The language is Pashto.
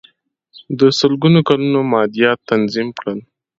د سلګونو کلونو مادیات تضمین کړل.